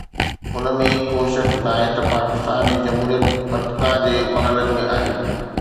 ان ۾ ڪو شڪ ناهي ته پاڪستان جي جمهوريت ارتقا جي مرحلن ۾ آهي.